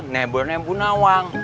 kudanya bu nawang